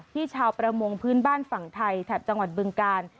ชาวประมงพื้นบ้านฝั่งไทยแถบจังหวัดบึงกาล